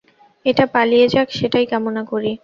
এটা পালিয়ে যাক সেটাই কামনা করি।